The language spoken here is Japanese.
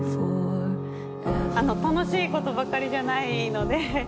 楽しいことばかりじゃないので。